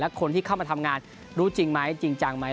คนที่เข้ามาทำงานรู้จริงไหมจริงจังไหม